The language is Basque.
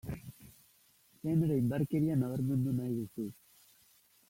Genero indarkeria nabarmendu nahi duzu.